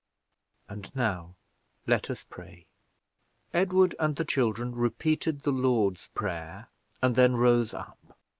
And now let us pray." Edward and the children repeated the Lord's Prayer, and then rose up.